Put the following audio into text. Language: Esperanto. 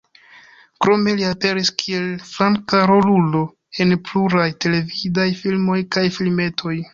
Krome li aperis kiel flanka rolulo en pluraj televidaj filmoj kaj filmetoj.